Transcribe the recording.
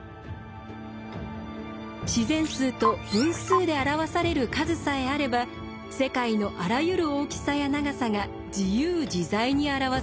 自然数と分数で表される数さえあれば世界のあらゆる大きさや長さが自由自在に表せました。